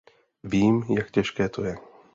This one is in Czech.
Vím, jak těžké to je.